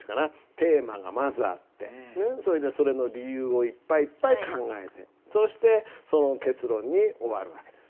テーマがまずあってそれの理由をいっぱいいっぱい考えてそしてその結論に終わる訳です。